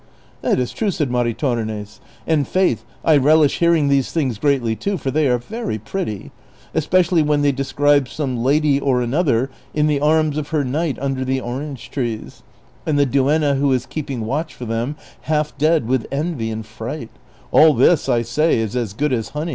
" That is true," said Maritornes ;" and, faith, I relish hear ing these things greatly too, for they are very pretty ; espe cially when they describe some lady or another in the arms of her knight under the orange trees, and the duenna who is keeping watch for them half dead with envy and fright ; all this I say is as good as honey."